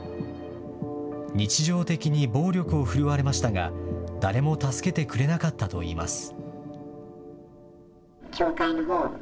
日常的に暴力を振るわれましたが、誰も助けてくれなかったといいます。